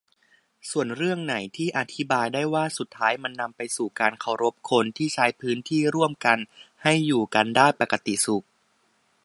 ส่วนเรื่องไหนที่อธิบายได้ว่า สุดท้ายมันนำไปสู่การเคารพคนที่ใช้พื้นที่ร่วมกันให้อยู่กันได้ปกติสุข